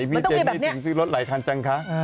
พี่เจนี่ถึงซื้อรถหลายคันจังคะ